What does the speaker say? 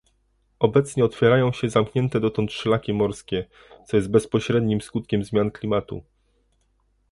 Obecnie otwierają się zamknięte dotąd szlaki morskie, co jest bezpośrednim skutkiem zmian klimatu